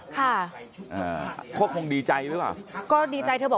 เค้าคงดีใจดีกว่าก็